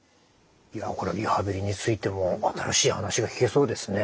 いやこれはリハビリについても新しい話が聞けそうですね。